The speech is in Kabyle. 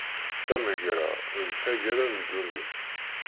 Tamegra, d taggara n ddunit.